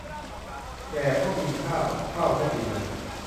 แก่เพราะกินข้าว เฒ่าเพราะอยู่นาน